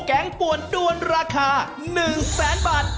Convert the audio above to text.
แก๊งปวดด้วนราคา๑๐๐๐๐๐บาท